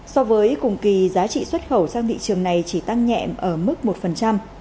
so với cùng kỳ giá trị xuất khẩu sang thị trường này chỉ tăng nhẹ ở mức một